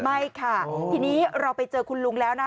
ไม่ค่ะทีนี้เราไปเจอคุณลุงแล้วนะ